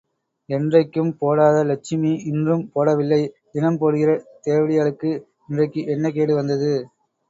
என்றைக்கும் போடாத லட்சுமி இன்றும் போடவில்லை தினம் போடுகிற தேவடியாளுக்கு இன்றைக்கு என்ன கேடு வந்தது?